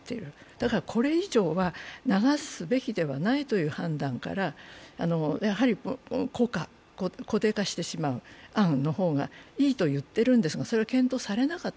だからこれ以上は流すべきではないという判断から、やはり固化、固定化してしまう案の方がいいといっているんですが、それが検討されなかった。